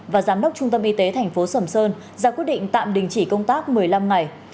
và giám đốc trung tâm y tế thành phố sầm sơn ra quyết định tạm đình chỉ công tác một mươi năm ngày